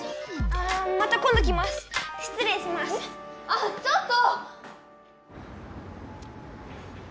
ああちょっと！